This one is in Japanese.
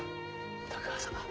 徳川様